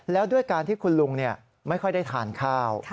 แล้วด้วยการที่คุณลุงไม่ค่อยได้ทานข้าว